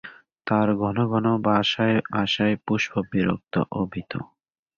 তার ঘন ঘন বাসায় আসায় পুষ্প বিরক্ত ও ভীত।